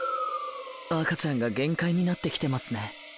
赤ちゃんが限界になってきてますね。